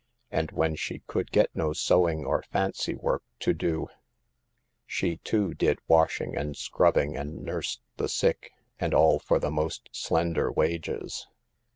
And when she could get no sewing, or fancy work to do, she, too, did washing and scrubbing and nursed the sick, and all for the most slender wages.